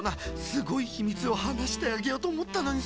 すごいひみつをはなしてあげようとおもったのにさ。